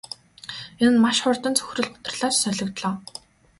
Энэ нь маш хурдан цөхрөл гутралаар солигдлоо.